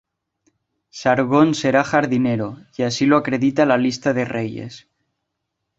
Sargón será jardinero, y así lo acredita la Lista de Reyes.